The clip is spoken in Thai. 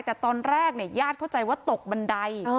แต่ตอนแรกญาติเข้าใจว่าตกบันได